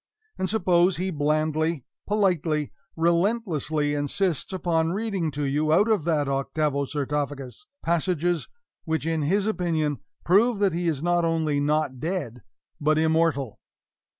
and suppose he blandly, politely, relentlessly insists upon reading to you, out of that octavo sarcophagus, passages which in his opinion prove that he is not only not dead, but immortal?